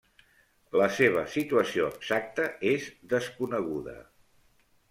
La seva situació exacta és desconeguda.